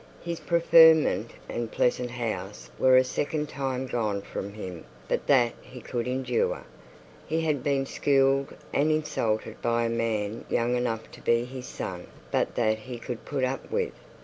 His preferment and pleasant house were a second time gone from him; but that he could endure. He had been schooled and insulted by a man young enough to be his son; but that he could put up with.